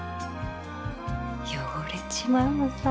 汚れちまうのさ。